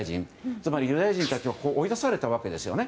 つまりユダヤ人たちは追い出されたわけですよね。